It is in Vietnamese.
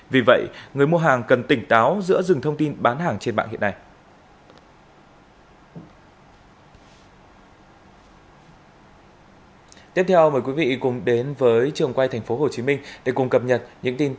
vì vậy người mua hàng cần tỉnh táo giữa dừng thông tin bán hàng trên mạng hiện nay